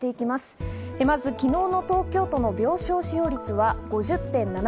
まず昨日の東京都の病床使用率は５０．７％。